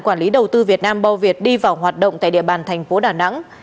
quản lý đầu tư việt nam bao việt đi vào hoạt động tại địa bàn thành phố đà nẵng